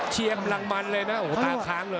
เชียงกำลังเมนเลยนะโอ้โหตาค้างเลย